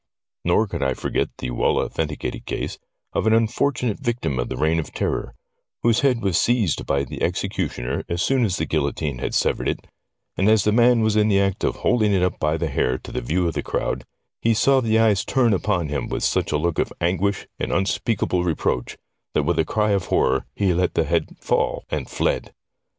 Nor could I for get the well authenticated case of an unfortunate victim of the Eeign of Terror, whose head was seized by the executioner as soon as the guillotine had severed it, and as the man was in the act of holding it up by the hair to the view of the crowd he saw the eyes turn upon him with such a look of anguish and unspeakable reproach that, with a cry of horror, he let the head fall and fled.